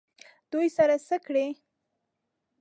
دوی سره څه کړي؟